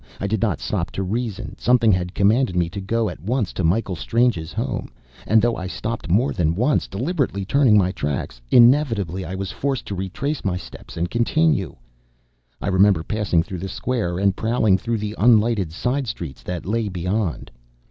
I did not stop to reason. Something had commanded me to go at once to Michael Strange's home. And though I stopped more than once, deliberately turning in my tracks, inevitably I was forced to retrace my steps and continue. I remember passing through the square, and prowling through the unlightened side streets that lay beyond.